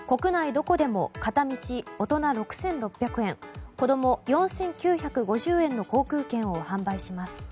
どこでも片道、大人６６００円子供４９５０円の航空券を販売します。